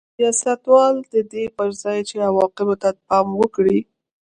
سیاستوالو د دې پر ځای چې عواقبو ته پام وکړي